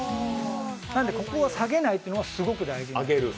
なので、ここを下げないというのがすごく大事です。